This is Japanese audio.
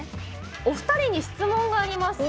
「お二人に質問があります。